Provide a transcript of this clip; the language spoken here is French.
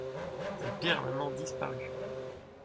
Cette pierre a maintenant disparu.